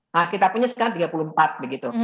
nah kita punya sekarang tiga puluh empat begitu